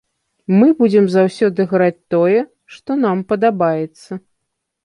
Мы будзем заўсёды граць тое, што нам падабаецца.